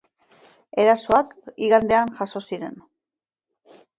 Erasoak igandean jazo ziren.